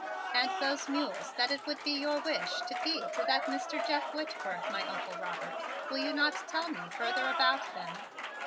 "And those mules that it would be your wish to feed to that Mr. Jeff Whitworth, my Uncle Robert, will you not tell me further about them?